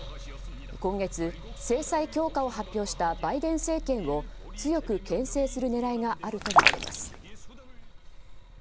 今月、制裁強化を発表したバイデン政権を強く牽制する狙いがあるとみられます。